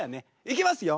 いきますよ